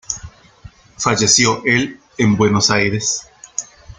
Falleció el en Buenos Aires.